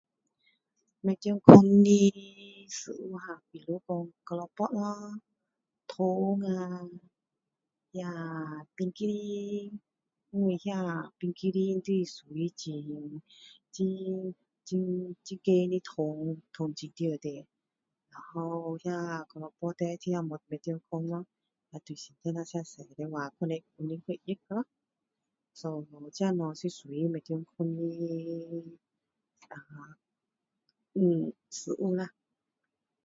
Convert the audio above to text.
不健康的食物哈，比如说keropok咯，糖啊，那冰琪琳，因为那冰淇淋是属于很，很高糖，糖质的在里面。然后那keropok呢，也是不怎么健康咯。。。如果吃多了身体就会热咯。so这些东西是属于不健康的 [unintelligible] [ahh]食物啦